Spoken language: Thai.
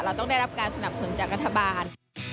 เราต้องได้รับการสนับสนุนจากรัฐบาล